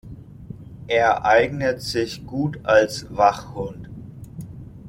Er eignet sich gut als Wachhund.